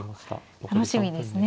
楽しみですね。